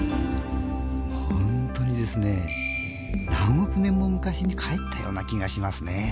本当にですね何億年も昔に帰ったような気がしますね。